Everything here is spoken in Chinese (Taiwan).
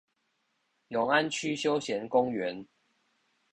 永安區休閒公園